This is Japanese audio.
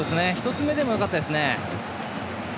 １つ目でもよかったですね。